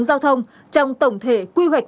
giao thông trong tổng thể quy hoạch